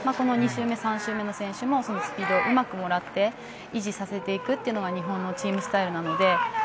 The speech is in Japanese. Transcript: ２周目、３周目の選手もそのスピードをうまくもらって維持させていくというのが日本のチームスタイルなので。